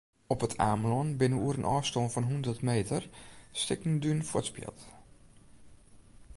Op It Amelân binne oer in ôfstân fan hûndert meter stikken dún fuortspield.